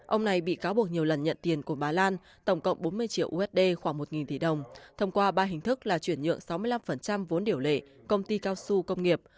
ông này bị cáo buộc nhiều lần nhận tiền của bà lan tổng cộng bốn mươi triệu usd khoảng một tỷ đồng thông qua ba hình thức là chuyển nhượng sáu mươi năm vốn điều lệ công ty cao su công nghiệp